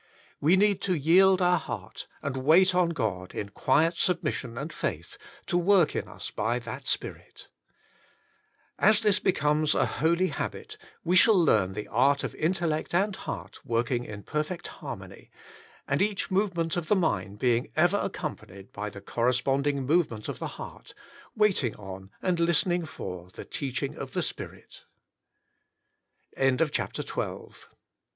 We need to yield our heart, and wait on God in quiet submission and faith to work in us by that Spirit. 1A.S this becomes a holy habit, we shall learn the art of intellect and heart working in perfect har mony, and each movement of the mind being ever accompanied by the corresponding movement of the heart, waiting on and liste